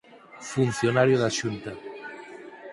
Funcionario da Xunta.